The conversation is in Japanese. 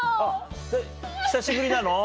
久しぶりなの？